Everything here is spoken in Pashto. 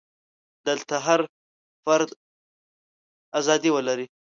دلته هر فرد ازادي ولري.